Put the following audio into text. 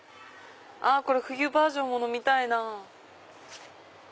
これ冬バージョンも飲みたいな。